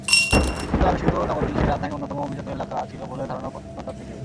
নতুন আবিষ্কৃত নগরটি সেই রাজধানীর অন্যতম অভিজাত এলাকা ছিল বলে ধারণা প্রত্নতাত্ত্বিকদের।